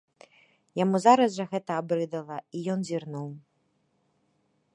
Яму зараз жа гэта абрыдала, і ён зірнуў.